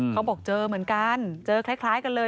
เขาบอกเจอเหมือนกันเจอคล้ายกันเลย